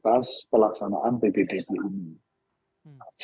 semua praktek ini kalau kita melakukan proses ini kita bisa melakukan proses yang lebih tinggi